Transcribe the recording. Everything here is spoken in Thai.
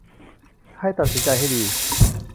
ให้ตัดสินใจให้ดี